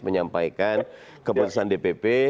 menyampaikan keputusan dpp